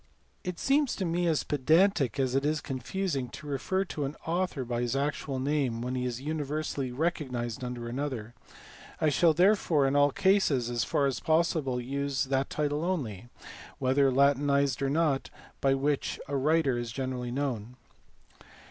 It seems to me as pedantic as it is confusing to refer to an author by his actual name when he is universally recognized under another: I shall there fore in all cases as fa,r as possible use that title only, whether latinized or not, by which a writer is generally known.